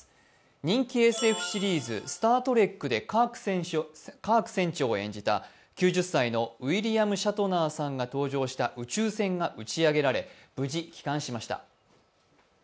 人気ＳＦシリーズ「スター・トレック」でカーク船長を演じた９０歳のウィリアム・シャトナーさんが搭乗した宇宙船が打ち上げられ無事、帰還しました。